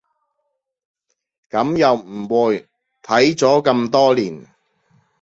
噉又唔會，睇咗咁多年